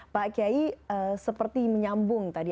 pak kiai seperti menyambung tadi